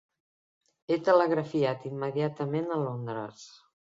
He telegrafiat immediatament a Londres.